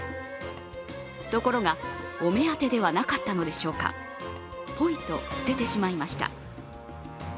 ところが、お目当てではなかったのでしょうか、ポイと捨ててしまいました。